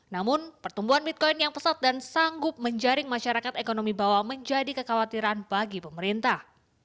namun pertumbuhan bitcoin yang pesat dan sanggup menjaring masyarakat ekonomi bawah menjadi kekhawatiran bagi pemerintah